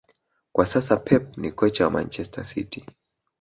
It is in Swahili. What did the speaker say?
kwa sasa Pep ni kocha wa Manchester City